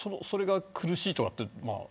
それが苦しいとかって。